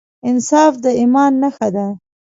انصاف د ایمان نښه ده.